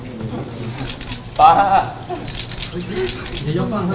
อยากขอโทษมาก